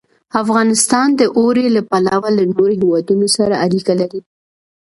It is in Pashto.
افغانستان د اوړي له پلوه له نورو هېوادونو سره اړیکې لري.